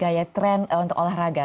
gaya trend untuk olahraga